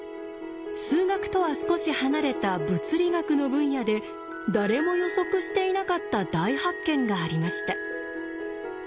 数学とは少し離れた物理学の分野で誰も予測していなかった大発見がありました。